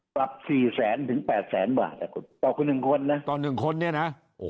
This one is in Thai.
ปรับ๔๐๐๘๐๐บาทต่อคือ๑คนนะ